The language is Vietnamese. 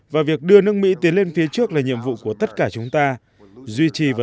và việc đưa nước mỹ tiến lên phía trước là nhiệm vụ của tất cả chúng ta